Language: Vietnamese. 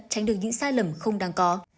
tránh được những sai lầm không đáng có